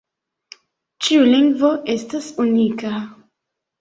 Ĉiu lingvo estas unika.